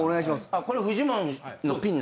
これフジモンのピン。